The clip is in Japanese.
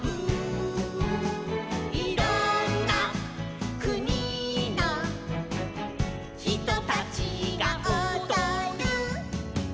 「いろんなくにのひとたちがおどる」